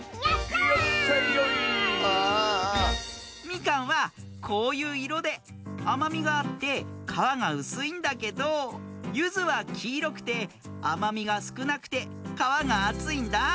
みかんはこういういろであまみがあってかわがうすいんだけどゆずはきいろくてあまみがすくなくてかわがあついんだ。